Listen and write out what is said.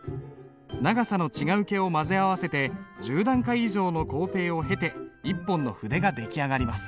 長さの違う毛を混ぜ合わせて１０段階以上の工程を経て一本の筆が出来上がります。